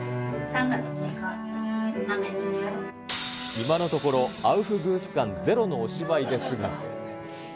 今のところ、アウフグース感ゼロのお芝居ですが。